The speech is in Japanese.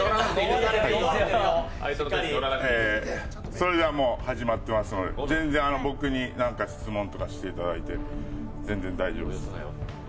それではもう始まってますので全然僕に何か質問してもらっても大丈夫です。